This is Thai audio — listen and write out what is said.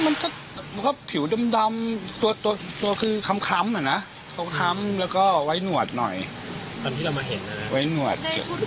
มันก็ผิวดำตัวตัวคือคล้ำอ่ะนะตัวคล้ำแล้วก็ไว้หนวดหน่อยตอนที่เรามาเห็นเลยไว้หนวด